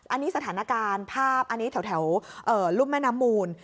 อันนี้สถานการณ์ภาพอันนี้แถวรุ่มแม่น้ำมูล